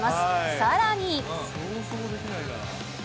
さらに。